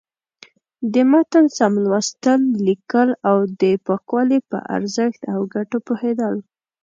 د متن سم لوستل، ليکل او د پاکوالي په ارزښت او گټو پوهېدل.